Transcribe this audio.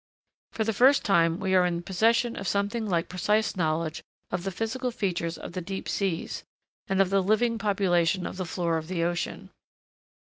For the first time, we are in possession of something like precise knowledge of the physical features of the deep seas, and of the living population of the floor of the ocean.